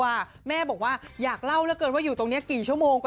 ให้แม่บอกว่าอยากเล่าไปว่ากี่ชั่วโมง